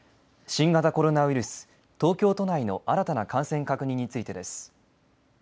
新型コロナウイルス、東京都内の新たな感染確認についてです。